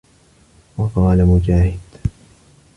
وَقَالَ مُجَاهِدٌ